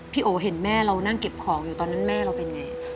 โอเห็นแม่เรานั่งเก็บของอยู่ตอนนั้นแม่เราเป็นไง